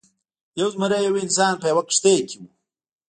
یو زمری او یو انسان په یوه کښتۍ کې وو.